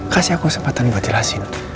kasih aku kesempatan buat jelasin